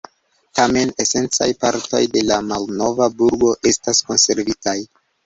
Tamen esencaj partoj de la malnova burgo estas konservitaj.